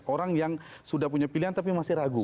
orang yang sudah punya pilihan tapi masih ragu